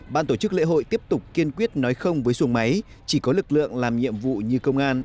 ban tổ chức lễ hội tiếp tục kiên quyết nói không với xuồng máy chỉ có lực lượng làm nhiệm vụ như công an